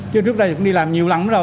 chứ trước đây cũng đi làm nhiều lần rồi